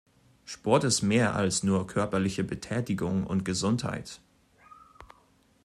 Sport ist mehr als nur körperliche Betätigung und Gesundheit.